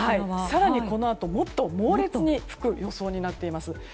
更にこのあともっと猛烈に吹く予想になっています。